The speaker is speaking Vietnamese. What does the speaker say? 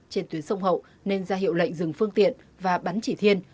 trên tuyến sông hậu nên ra hiệu lệnh dừng phương tiện và bắn chỉ thiên